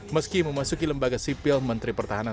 meski memasuki lembaga sipil menteri pertahanan